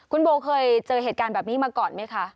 คุณโบเคยเจอเหตุการณ์แบบนี้มาก่อนไหมคะ